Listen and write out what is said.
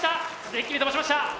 一気に飛ばしました！